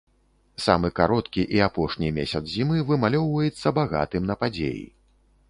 Самы кароткі і апошні месяц зімы вымалёўваецца багатым на падзеі.